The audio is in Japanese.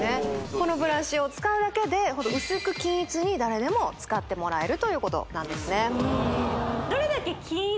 このブラシを使うだけでホント薄く均一に誰でも使ってもらえるということなんですね